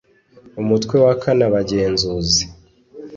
umutwe wa kaneabagenzuzi